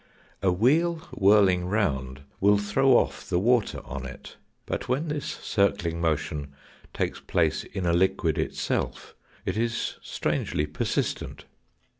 A wheel whirling round will throw off the water on it. But when this circling motion takes place in a liquid itself it is strangely persistent.